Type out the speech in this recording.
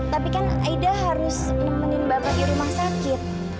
tapi kan aida harus nemenin bapak ke rumah sakit